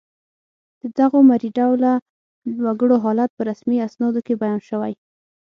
د دغو مري ډوله وګړو حالت په رسمي اسنادو کې بیان شوی